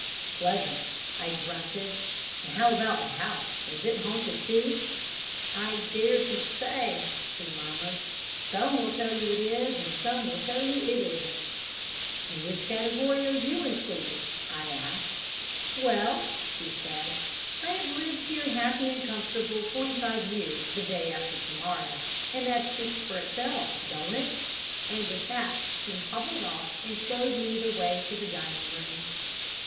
"'Pleasant,' I grunted. 'And how about the house is it haunted too?' "'I daresn't say,' she murmured. 'Some will tell you it is, and some will tell you it isn't.' "'In which category are you included?' I asked. "'Well!' she said 'I have lived here happy and comfortable forty five years the day after to morrow, and that speaks for itself, don't it?' And with that she hobbled off and showed me the way to the dining room.